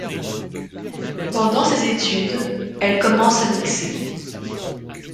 Pendant ses études, elle commence à mixer.